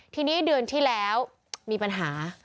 ทีนี้เดือนที่แล้วมีปัญหา